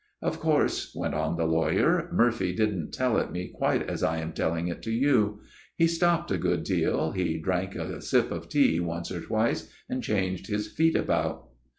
Of course," went on the lawyer, " Murphy didn't tell it me quite as I am telling it to you. He stopped a good deal, he drank a sip of tea once or twice, and changed his feet about.